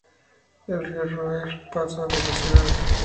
El río Roer pasa por la ciudad.